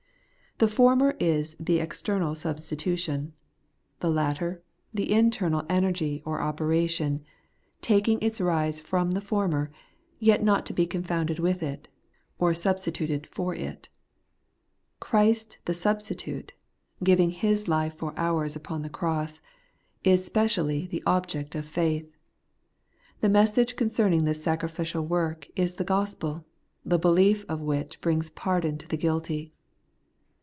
The former is the external substitution; the latter, the internal The Pardon and the Peace made sure, 143 energy or operation, taking its rise from the former, yet not to be confounded with it, or substituted for it. Christ the substitute, giving His life for ours upon the cross, is specially the object of faith. The mes sage concerning this sacrificial work is the gospel, the belief of which brings pardon to the guilty.